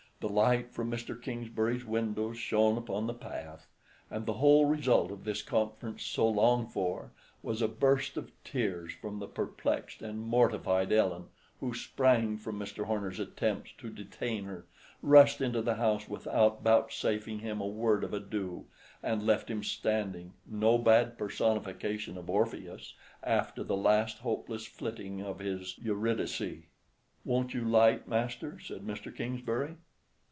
The light from Mr. Kingsbury's windows shone upon the path, and the whole result of this conference so longed for, was a burst of tears from the perplexed and mortified Ellen, who sprang from Mr. Horner's attempts to detain her, rushed into the house without vouchsafing him a word of adieu, and left him standing, no bad personification of Orpheus, after the last hopeless flitting of his Eurydice. "Won't you 'light, Master?" said Mr. Kingsbury.